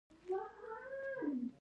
یو څلویښتم سوال د رهبرۍ په اړه دی.